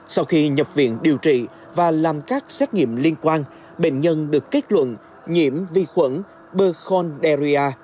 sau khi nhập viện điều trị và làm các xét nghiệm liên quan bệnh nhân được kết luận nhiễm vi khuẩn bơn deria